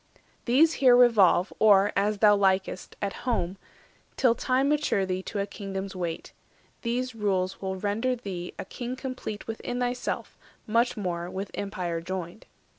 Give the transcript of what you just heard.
280 These here revolve, or, as thou likest, at home, Till time mature thee to a kingdom's weight; These rules will render thee a king complete Within thyself, much more with empire joined."